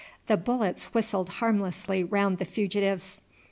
The bullets whistled harmlessly round the fugitives.